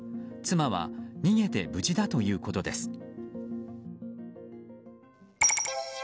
妻は逃げて無事だということです。